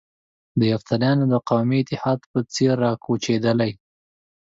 د یفتلیانو د قومي اتحاد په څېر را کوچېدلي.